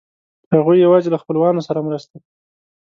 هغوی یواځې له خپلوانو سره مرسته کوي.